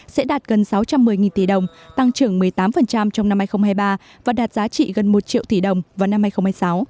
sẽ đạt gần sáu trăm một mươi tỷ đồng tăng trưởng một mươi tám trong năm hai nghìn hai mươi ba và đạt giá trị gần một triệu tỷ đồng vào năm hai nghìn hai mươi sáu